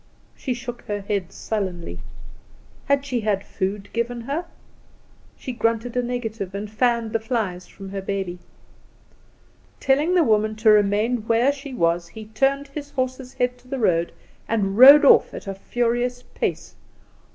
She shook her head sullenly. Had she had food given her? She grunted a negative, and fanned the flies from her baby. Telling the woman to remain where she was, he turned his horse's head to the road and rode off at a furious pace.